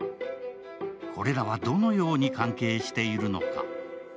これらはどのように関係しているのか。